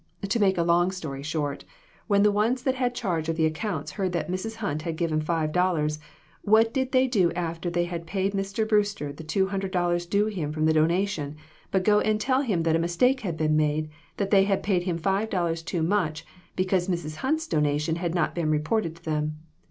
To make a long story short, when the ones that had charge of the accounts heard that Mrs. Hunt had given five dollars, what did they do after they had paid Mr. Brewster the two hundred dollars due him from the donation but go and tell him that a mistake had been made ; that they had paid him five dollars too much, because Mrs. Hunt's donation had not been reported to them.